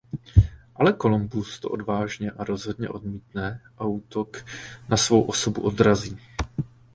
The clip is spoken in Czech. Ale Kolumbus to odvážně a rozhodně odmítne a útok na svou osobu odrazí.